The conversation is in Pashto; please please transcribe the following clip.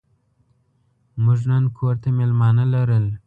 موږ نن کور ته مېلمانه لرل.